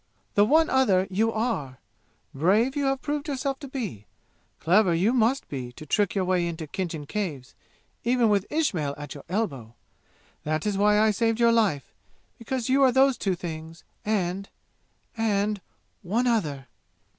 The one other you are! Brave you have proved yourself to be! Clever you must be, to trick your way into Khinjan Caves, even with Ismail at your elbow! That is why I saved your life because you are those two things and and one other!"